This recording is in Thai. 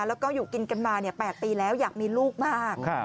แล้วก็อยู่กินกันมา๘ปีแล้วอยากมีลูกมาก